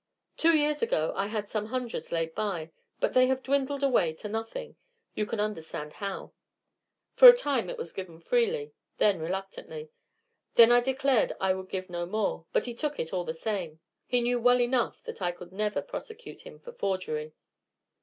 "Two years ago I had some hundreds laid by, but they have dwindled away to nothing; you can understand how. For a time it was given freely, then reluctantly; then I declared I would give no more, but he took it all the same he knew well enough that I could never prosecute him for forgery."